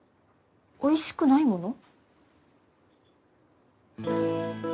おいしくないもの？